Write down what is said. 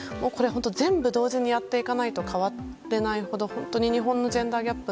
全部同時にやっていかないと変われないほど本当に日本のジェンダーギャップ